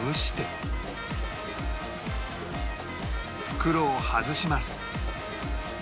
袋を外します